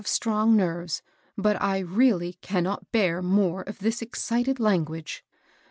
bmv^ strong nerves, but I re^y cai^not bear more of this excited tanguage.